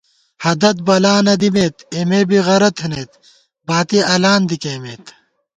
ہَدت بلا نہ دِمېت، اېمے بی غرَہ تھنَئیت، باتی الان دی کېئیمېت